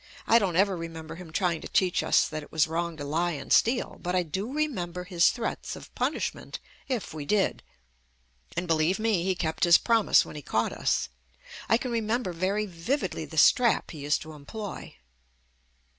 I don't ever remember him trying to teach us that it was wrong to lie and steal, but I do remember his threats of punish ment if we did. And believe me, he kept his promise when he caught us. I can remember very vividly the strap he used to employ.